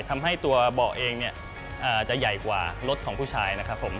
ทำให้ตัวเบาะเองจะใหญ่กว่ารถของผู้ชาย